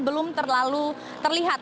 belum terlalu terlihat